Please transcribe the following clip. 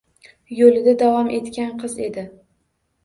Yoʻlida davom etgan qiz edi.